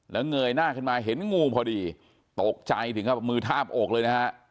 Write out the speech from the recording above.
แล้วเงยหน้าขึ้นมาเห็นงูพอดีตกใจถึงกับมือทาบอกเลยนะฮะ